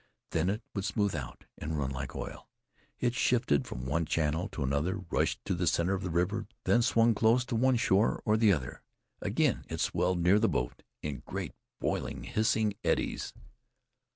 Then it would smooth out, and run like oil. It shifted from one channel to another, rushed to the center of the river, then swung close to one shore or the other. Again it swelled near the boat, in great, boiling, hissing eddies.